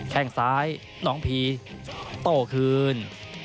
แค่งซ้ายน้องพีโต้คืน